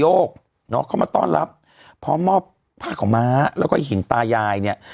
เข้ามาต้อนรับพร้อมมอบผ้าขาวม้าแล้วก็หินตายายเนี่ย